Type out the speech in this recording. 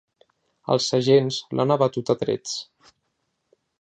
Els agents l’han abatut a trets.